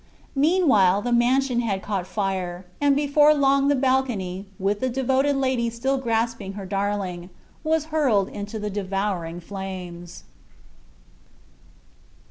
Meanwhile the mansion had caught fire, and before long the balcony, with the devoted lady still grasping her darling, was hurled into the devouring flames.